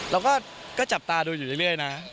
เราก็จับตาดูอยู่เรื่อยนะ